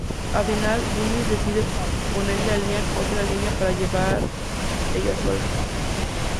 Al final Willie decide ponerle a Lynn otra línea para ella sola.